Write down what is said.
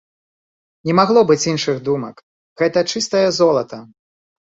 Не магло быць іншых думак, гэта чыстае золата.